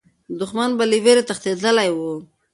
دښمن به له ویرې تښتېدلی وو.